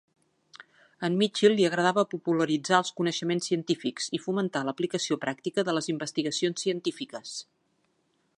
A en Mitchill li agradava popularitzar els coneixements científics i fomentar l'aplicació pràctica de les investigacions científiques.